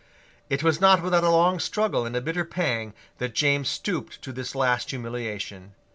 It was not without a long struggle and a bitter pang that James stooped to this last humiliation.